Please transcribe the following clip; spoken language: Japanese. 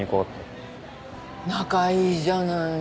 仲いいじゃないの。